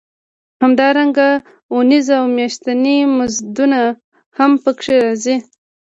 همدارنګه اونیز او میاشتني مزدونه هم پکې راځي